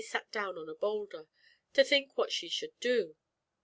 sat down on a boulder, to think what she should do.